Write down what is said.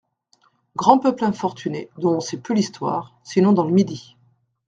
Grand peuple infortuné, dont on sait peu l'histoire, sinon dans le Midi.